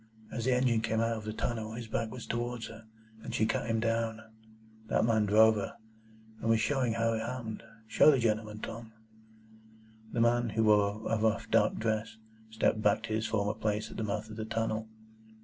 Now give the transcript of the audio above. As the engine came out of the tunnel, his back was towards her, and she cut him down. That man drove her, and was showing how it happened. Show the gentleman, Tom." The man, who wore a rough dark dress, stepped back to his former place at the mouth of the tunnel.